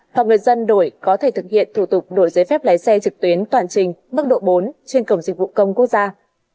hoặc người dân đổi có thể thực hiện thủ tục đổi giấy phép lái xe trực tuyến toàn trình mức độ bốn trên cổng dịch vụ công quốc gia